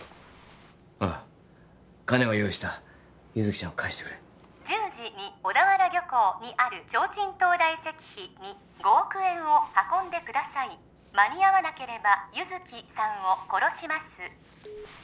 ああ金は用意した優月ちゃんを返してくれ１０時に小田原漁港にあるちょうちん灯台石碑に５億円を運んでください間に合わなければ優月さんを殺します